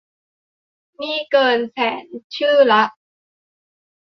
นี่เกินแสนชื่อละ